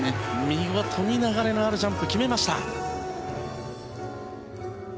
見事に流れのあるジャンプを決めました。